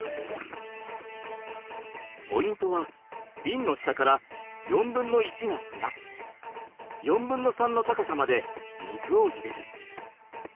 ポイントはビンの下から４分の１が砂４分の３の高さまで水を入れる。